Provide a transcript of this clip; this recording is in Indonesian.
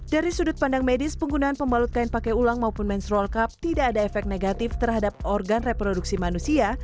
dari sudut pandang medis penggunaan pembalut kain pakai ulang maupun menstrol cup tidak ada efek negatif terhadap organ reproduksi manusia